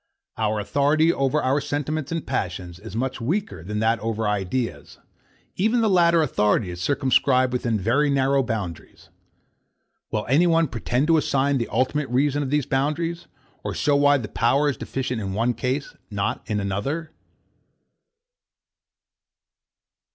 Our authority over our sentiments and passions is much weaker than that over our ideas; and even the latter authority is circumscribed within very narrow boundaries. Will any one pretend to assign the ultimate reason of these boundaries, or show why the power is deficient in one case, not in another.